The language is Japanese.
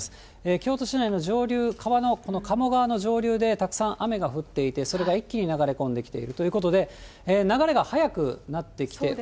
京都市内の上流、川の、この鴨川の上流でたくさん雨が降っていて、それが一気に流れ込んできているということで、流れが速くなってきております。